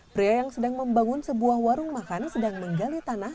pria yang sedang membangun sebuah warung makan sedang menggali tanah